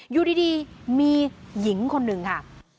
อยู่ดีมีหญิงคนหนึ่งค่ะ